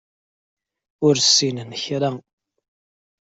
Ur ssinen kra.